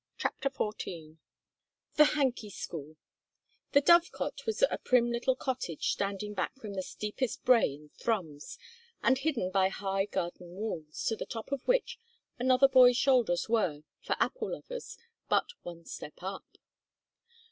CHAPTER XIV THE HANKY SCHOOL The Dovecot was a prim little cottage standing back from the steepest brae in Thrums and hidden by high garden walls, to the top of which another boy's shoulders were, for apple lovers, but one step up.